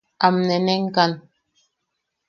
Am- nenenkan.